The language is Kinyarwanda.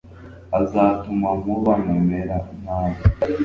azatuma muba mumera nkawe